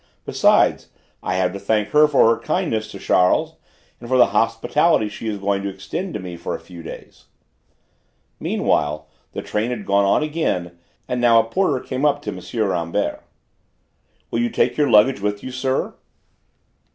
Besides, I have to thank her for her kindness to Charles, and for the hospitality she is going to extend to me for a few days." Meanwhile the train had gone on again, and now a porter came up to M. Rambert. "Will you take your luggage with you, sir?"